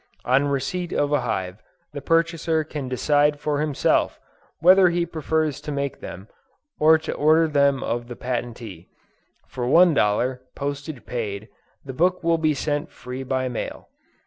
On receipt of a hive, the purchaser can decide for himself, whether he prefers to make them, or to order them of the Patentee. For one dollar, postage paid, the book will be sent free by mail.